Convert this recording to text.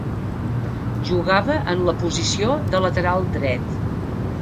Jugava en la posició de lateral dret.